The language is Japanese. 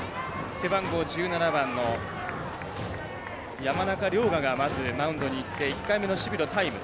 背番号１７番の山中竜雅がまずマウンドに行って１回目の守備のタイム。